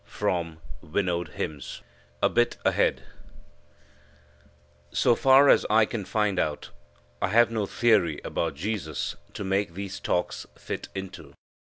From Winnowed Hymns. A Bit Ahead So far as I can find out, I have no theory about Jesus to make these talks fit into.